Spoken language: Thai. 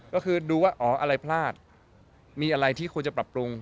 ก็คือดูว่าอ๋ออะไรพลาดมีอะไรที่ควรจะปรับปรุง